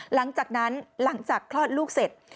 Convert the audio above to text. หลังจากนั้นหลังจากคลอดลูกเสร็จ